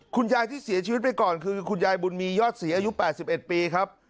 คุณยายที่เสียชีวิตไปก่อนคือคุณยายบุญมียอดศรีอายุ๘๑ปีครับ